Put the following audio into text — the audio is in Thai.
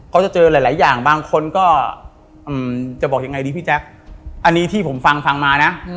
ก็จะเจอหลายอย่างบางคนก็จะบอกยังไงดีพี่แจ๊คอันนี้ที่ผมฟังฟังมานะ